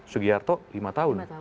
sugiyarto lima tahun